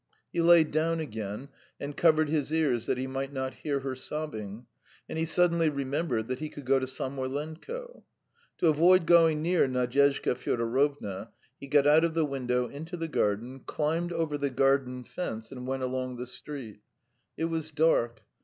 He lay down again and covered his ears that he might not hear her sobbing, and he suddenly remembered that he could go to Samoylenko. To avoid going near Nadyezhda Fyodorovna, he got out of the window into the garden, climbed over the garden fence and went along the street. It was dark.